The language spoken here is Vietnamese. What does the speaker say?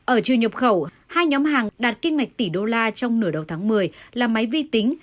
ở trường nhập khẩu hai nhóm hàng đạt kim ngạch tỷ đô la trong nửa đầu tháng một mươi là máy vi tính